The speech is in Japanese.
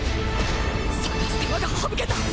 探す手間が省けた！！